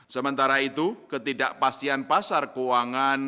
sementara itu ketidakpastian pasar keuangan